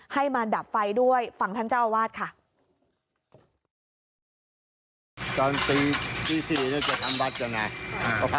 ให้มาดับไฟด้วยฟังท่านเจ้าอาวาสค่ะ